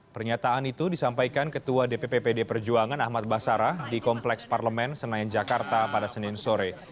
pernyataan itu disampaikan ketua dpp pd perjuangan ahmad basara di kompleks parlemen senayan jakarta pada senin sore